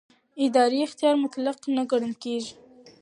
اداري اختیار مطلق نه ګڼل کېږي.